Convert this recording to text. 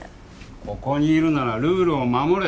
ここにいるならルールを守れ。